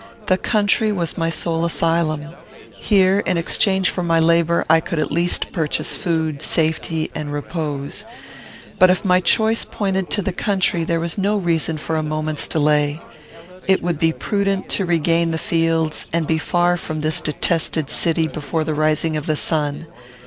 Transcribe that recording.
The country was my sole asylum. Here, in exchange for my labour, I could at least purchase food, safety, and repose. But, if my choice pointed to the country, there was no reason for a moment's delay. It would be prudent to regain the fields, and be far from this detested city before the rising of the sun.